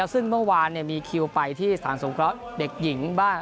ซึ่งเมื่อวานมีคิวไปที่สถานสงเคราะห์เด็กหญิงบ้าง